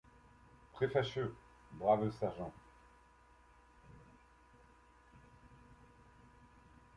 Très fâcheux, brave sergent!